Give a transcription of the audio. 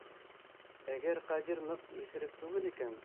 Әгәр Ҡадир ныҡ иҫерек түгел икән...